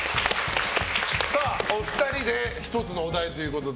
お二人で１つのお題ということで。